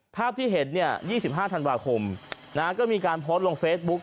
ภาพที่เห็น๒๕ธันวาคมก็มีการโพสต์ลงเฟซบุ๊ก